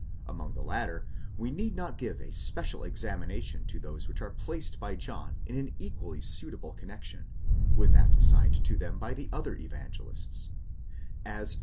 Among the latter, we need not give a special examination to those which are placed by John in an equally suitable connexion, with that assigned to them by the other Evangelists (as xii.